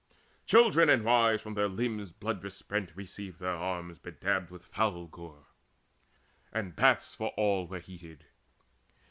Children and wives from their limbs blood besprent Received their arms bedabbled with foul gore; And baths for all were heated.